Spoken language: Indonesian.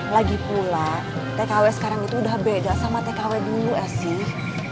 lagi pula tkw sekarang itu udah beda sama tkw dulu sih